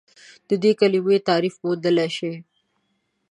د دې کلمې تعریف موندلی شئ؟